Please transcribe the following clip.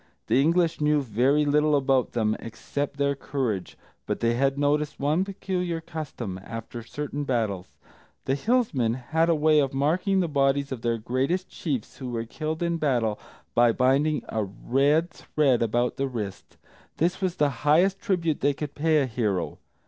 The English knew very little about them, except their courage, but they had noticed one peculiar custom, after certain battles, the Hillsmen had a way of marking the bodies of their greatest chiefs who were killed in battle by binding a red thread about the wrist; this was the highest tribute they could pay a hero.